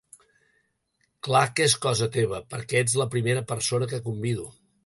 Clar que és cosa teva, perquè ets la primera persona que convido.